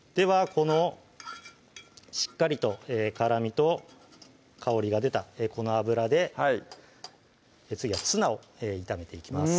このしっかりと辛みと香りが出たこの油で次はツナを炒めていきます